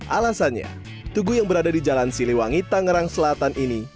alasannya tugu yang berada di jalan siliwangi tangerang selatan ini